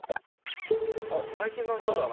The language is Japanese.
あっ最近の人だな。